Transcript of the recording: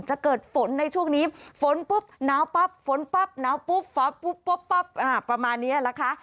จะเกิดฝนในช่วงนี้ฝนปุ๊บหนาวปั๊บฝนปั๊บหนาวปุ๊บฟ้าปุ๊บปุ๊บปั๊บประมาณนี้แหละค่ะ